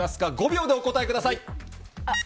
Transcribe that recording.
５秒でお答えください。